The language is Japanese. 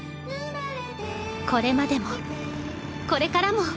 これまでもこれからも。